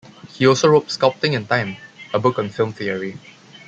He also wrote "Sculpting in Time", a book on film theory.